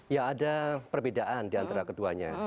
ya ada perbedaan di antara keduanya